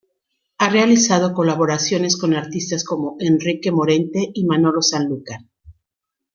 Ha realizado colaboraciones con artistas como Enrique Morente y Manolo Sanlúcar.